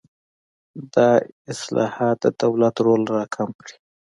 دا اصلاحات د دولت رول راکم کړي.